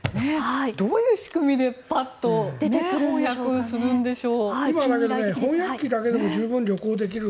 どういう仕組みでパッと翻訳するんでしょう。